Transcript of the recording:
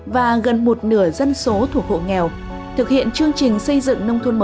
và gần một nửa dân số thuộc hộ nghèo thực hiện chương trình xây dựng nông thôn mới